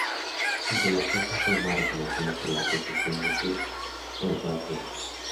Aunque la fuerza fue más reconocida por la precisión de sus bombardeos.